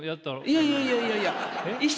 いやいやいやいやいや。